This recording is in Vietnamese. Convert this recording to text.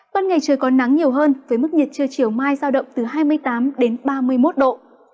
phần ngày trời còn nắng nhiều hơn với mức nhiệt trưa chiều mai giao động từ hai mươi tám ba mươi một độ